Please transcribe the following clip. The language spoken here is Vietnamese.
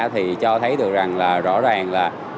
thì cho thấy được rằng là rõ ràng là